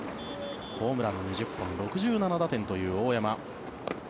ホームラン、２０本６７打点という大山。